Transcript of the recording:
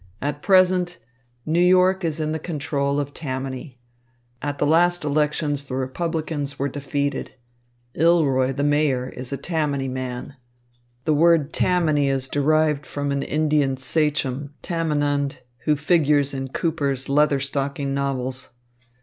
"At present New York is in the control of Tammany. At the last elections the Republicans were defeated. Ilroy, the Mayor, is a Tammany man. The word Tammany is derived from an Indian sachem, Tamenund, who figures in Cooper's Leather stocking novels.